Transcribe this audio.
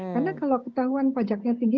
karena kalau ketahuan pajaknya tinggi